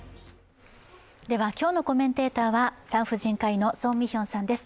では今日のコメンテーターはｓ産婦人科医の宋美玄さんです。